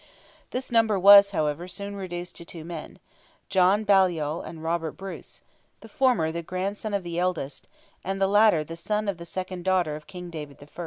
This number was, however, soon reduced to two men—John Baliol and Robert Bruce—the former the grandson of the eldest, the latter the son of the second daughter of King David I.